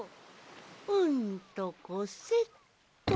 うんとこせっと。